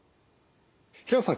平野さん